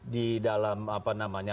di dalam apa namanya